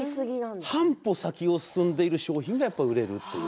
半歩先を進んでいる商品が売れるという。